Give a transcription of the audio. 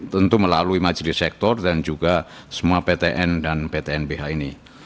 tentu melalui majelis sektor dan juga semua ptn dan ptnbh ini